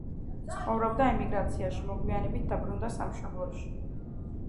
ცხოვრობდა ემიგრაციაში, მოგვიანებით დაბრუნდა სამშობლოში.